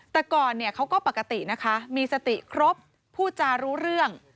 แต่ก่อนเนี่ยเขาก็ปกตินะคะมีสติครบพูดจารู้เรื่อง